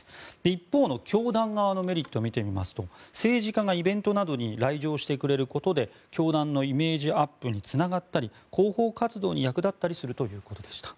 一方の教団側のメリットを見てみますと政治家がイベントなどに来場してくれることで教団のイメージアップにつながったり広報活動に役立ったりするということでした。